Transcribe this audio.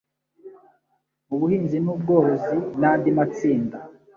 mu buhinzi n ubworozi n andi matsinda